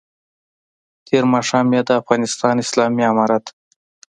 تېر ماښام یې د افغانستان اسلامي امارت